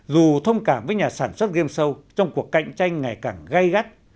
dù thông cảm với nhà sản xuất game show trong cuộc cạnh tranh ngày càng gây gắt